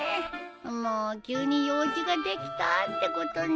もう急に用事ができたってことに。